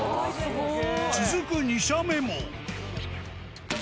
続く２射目も。